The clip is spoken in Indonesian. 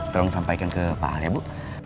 tolong sampaikan ke pak hal ya bu